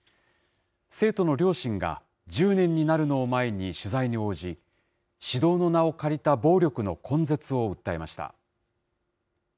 生徒の両親が、１０年になるのを前に取材に応じ、指導の名を借りた暴力の根絶を訴えました。